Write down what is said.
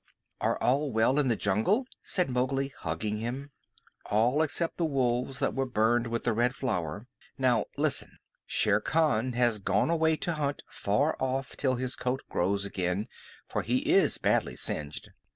"Are all well in the jungle?" said Mowgli, hugging him. "All except the wolves that were burned with the Red Flower. Now, listen. Shere Khan has gone away to hunt far off till his coat grows again, for he is badly singed.